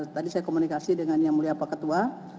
tadi saya komunikasi dengan yang mulia pak ketua